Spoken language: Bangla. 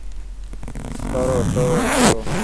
সরো, সরো, সরো!